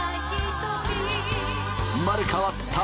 生まれ変わった昴